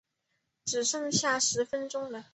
只剩下十分钟了